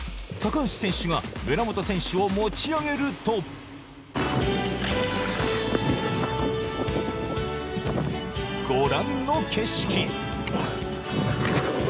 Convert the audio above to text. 高橋選手が村元選手を持ち上げると御覧の景色。